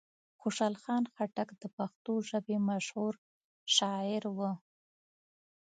خوشحال خان خټک د پښتو ژبې مشهور شاعر و.